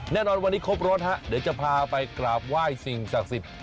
แน่นอนวันนี้ครบรถฮะเดี๋ยวจะพาไปกราบไหว้สิ่งศักดิ์สิทธิ์